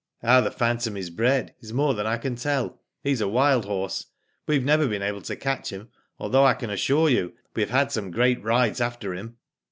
How the phantom is bred, is more than I can tell. He's a wild horse. We've never been able to catch him, although I can assure you we have had some great rides after him."